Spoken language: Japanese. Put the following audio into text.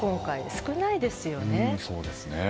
少ないですよね。